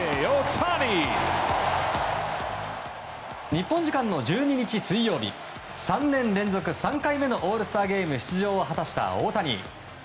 日本時間の１２日水曜日３年連続３回目のオールスターゲーム出場を果たした大谷。